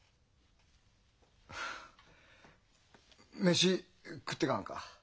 飯食っていかんか？